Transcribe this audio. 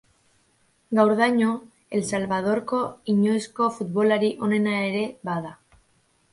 Gaurdaino, El Salvadorko inoizko futbolari onena ere bada.